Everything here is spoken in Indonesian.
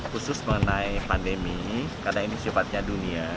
khusus mengenai pandemi karena ini sifatnya dunia